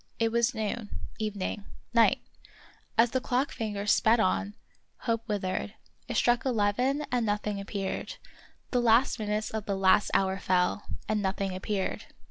It was noon — even ing — night; as the clock fingers sped on, hope withered ; it struck eleven and nothing appeared ; the last minutes of the last hour fell, and nothing appeared.